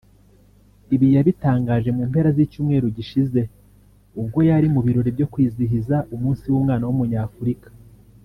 Ibi yabitangaje mu mpera z’icyumweru gishize ubwo yari mu birori byo kwizihiza umunsi w’umwana w’Umunyafurika